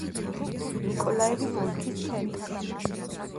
ნიკოლაევის ოლქის ცენტრი.